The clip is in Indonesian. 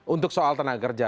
untuk soal tenaga kerja